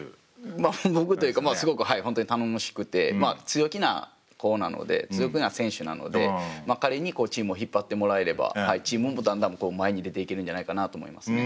まあ僕というかすごく本当に頼もしくて強気な子なので強気な選手なので彼にチームを引っ張ってもらえればチームもだんだん前に出ていけるんじゃないかなと思いますね。